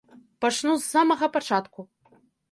Пачну з самага пачатку.